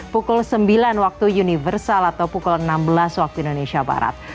pukul sembilan waktu universal atau pukul enam belas waktu indonesia barat